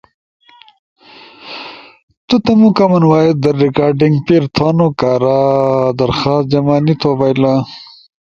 تو تمو کامن وائس در ریکارڈنگ پیر تھونو کارا درخواست جمع نی تھو بئیلا۔